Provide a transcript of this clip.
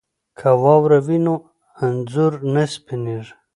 که واوره وي نو انځور نه سپینیږي.